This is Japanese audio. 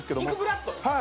はい。